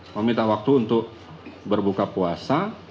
meminta waktu untuk berbuka puasa